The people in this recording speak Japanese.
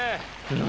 何？